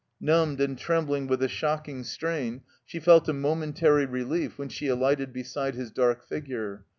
Numbed and trembling with the shocking strain, she felt a momentary relief when she alighted beside his dark figure.